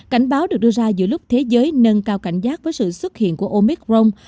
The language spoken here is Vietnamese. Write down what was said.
cảnh báo được đưa ra giữa lúc thế giới nâng cao cảnh giác với sự xuất hiện của omicron